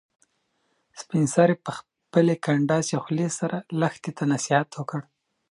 سپین سرې په خپلې کنډاسې خولې سره لښتې ته نصیحت وکړ.